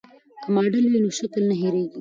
که ماډل وي نو شکل نه هېریږي.